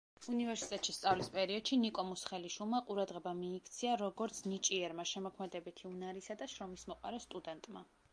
უნივერსიტეტში სწავლის პერიოდში ნიკო მუსხელიშვილმა ყურადღება მიიქცია როგორც ნიჭიერმა, შემოქმედებითი უნარისა და შრომისმოყვარე სტუდენტმა.